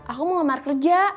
aku mau nomor kerja